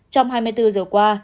trong hai mươi bốn giờ qua